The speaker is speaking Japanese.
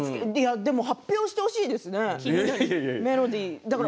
でも発表してほしいですよね、メロディー。